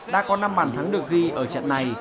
đã có năm bàn thắng được ghi ở trận này